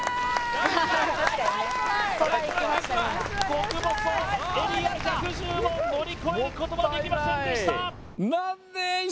極細エリア１１０を乗り越えることができませんでした